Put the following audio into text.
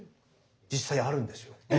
実際あるんですよ。